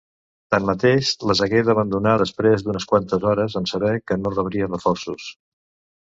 Tanmateix, les hagué d'abandonar després d'unes quantes hores, en saber que no rebria reforços.